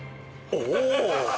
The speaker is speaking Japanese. おお？